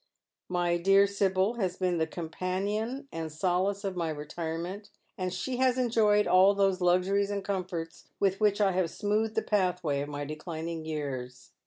My dear Sibyl has been the companion and solace of my retirement, and she has enjoyed all those luxuries and comforts ^vith which I have smoothed the pathway of my declining years.